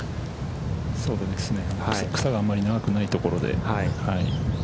草があまり長くない所で。